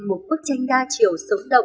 một bức tranh đa chiều sống động